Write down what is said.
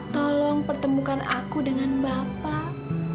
tolong pertemukan aku dengan bapak